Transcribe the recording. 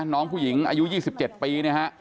น้องผู้หญิงอายุ๒๗ปี